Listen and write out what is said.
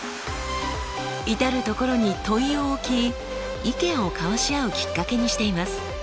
至る所に問いを置き意見を交わし合うきっかけにしています。